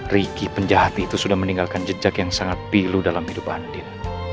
riki penjahat itu sudah meninggalkan jejak yang sangat pilu dalam hidup banding